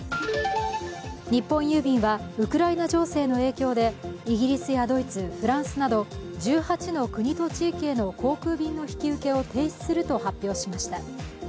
日本郵便はウクライナ情勢の影響でイギリスやドイツ、フランスなど１８の国と地域への航空便の引き受けを停止すると発表しました。